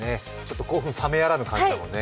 興奮冷めやらぬ感じだもんね。